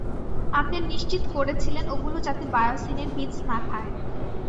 আপনি নিশ্চিত করেছিলেন ওগুলো যাতে বায়োসিনের বীজ না খায়।